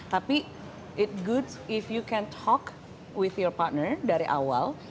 tapi it's good if you can talk with your partner dari awal